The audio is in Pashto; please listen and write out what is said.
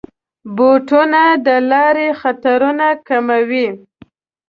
بوټونه د لارو خطرونه کموي.